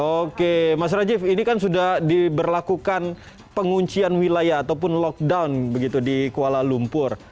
oke mas rajiv ini kan sudah diberlakukan penguncian wilayah ataupun lockdown begitu di kuala lumpur